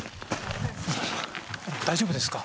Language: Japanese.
大丈夫ですか？